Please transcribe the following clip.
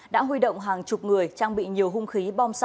đã huy động hàng chục người trang bị nhiều hung khí